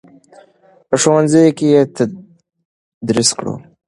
په ښوونځیو کې یې تدریس کړو.